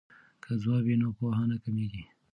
که ځواب وي نو پوهه نه کمېږي.